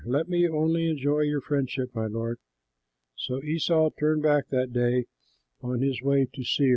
Let me only enjoy your friendship, my Lord." So Esau turned back that day on his way to Seir.